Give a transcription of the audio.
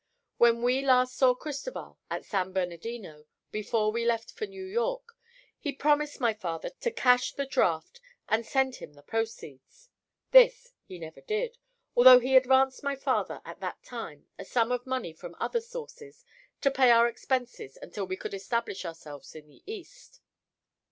When we last saw Cristoval at San Bernardino, before we left for New York, he promised my father to cash the draft and send him the proceeds. This he never did, although he advanced my father, at that time, a sum of money from other sources to pay our expenses until we could establish ourselves in the east.